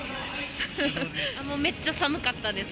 めっちゃ寒かったです。